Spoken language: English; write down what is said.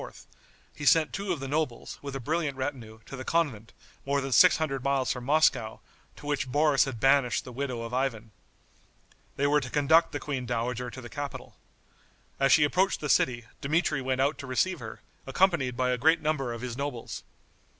he sent two of the nobles, with a brilliant retinue, to the convent, more than six hundred miles from Moscow, to which Boris had banished the widow of Ivan. They were to conduct the queen dowager to the capital. As she approached the city, Dmitri went out to receive her, accompanied by a great number of his nobles.